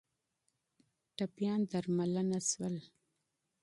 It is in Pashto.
ټپیان درملنه شول